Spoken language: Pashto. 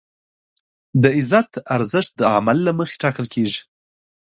د عزت ارزښت د عمل له مخې ټاکل کېږي.